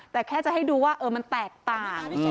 แต่แค่จะให้ดูว่ามันแตกต่าง